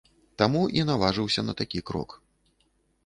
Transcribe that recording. Таму і наважыўся на такі крок.